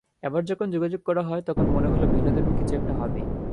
এবার যখন যোগাযোগ করা হয়, তখন মনে হলো ভিন্নধর্মী কিছু একটা হবে।